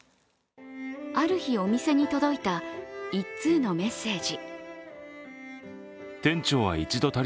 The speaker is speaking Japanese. ある日、お店に届いた１通のメッセージ。